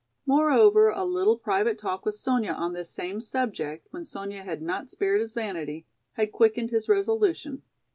Moreover, a little private talk with Sonya on this same subject, when Sonya had not spared his vanity, had quickened his resolution.